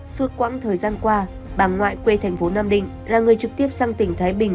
suốt quãng thời gian qua bà ngoại quê tp nam định là người trực tiếp sang tỉnh thái bình